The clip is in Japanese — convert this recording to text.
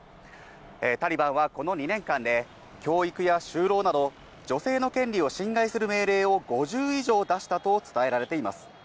タリバンはこの２年間で、教育や就労など、女性の権利を侵害する命令を５０以上出したと伝えられています。